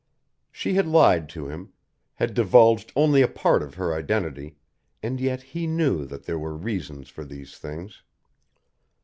She had lied to him, had divulged only a part of her identity and yet he knew that there were reasons for these things.